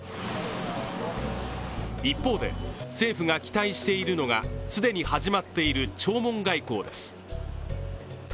一方で、政府が期待しているのが既に始まっている弔問外交です。